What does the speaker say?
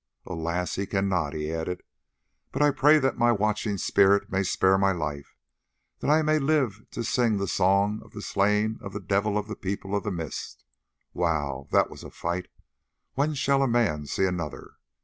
"Alas! he cannot," he added, "but I pray that my watching spirit may spare my life, that I may live to sing the song of the slaying of the Devil of the People of the Mist. Wow! that was a fight. When shall a man see another?